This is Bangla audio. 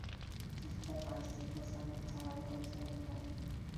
জুতার পাশ দিয়ে প্রসাবের ধারা বয়ে যায় এভাবে।